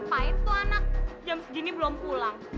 siapa itu anaknya jam segini belum pulang